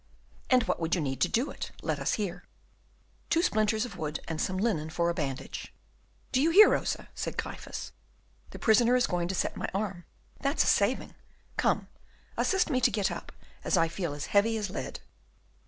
"And what would you need to do it? let us hear." "Two splinters of wood, and some linen for a bandage." "Do you hear, Rosa?" said Gryphus, "the prisoner is going to set my arm, that's a saving; come, assist me to get up, I feel as heavy as lead."